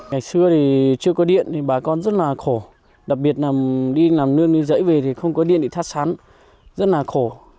ngày xưa thì chưa có điện thì bà con rất là khổ đặc biệt là đi làm nương đi dãy về thì không có điện để thắt sắn rất là khổ